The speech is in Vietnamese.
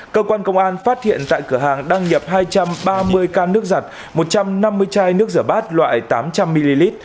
cơ quan công an phát hiện tại cửa hàng đăng nhập hai trăm ba mươi can nước giặt một trăm năm mươi chai nước rửa bát loại tám trăm linh ml